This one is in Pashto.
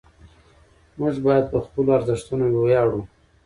موږ باید په خپلو ارزښتونو ویاړو.